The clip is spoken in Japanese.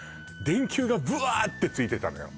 電球がブワーッてついてたのよ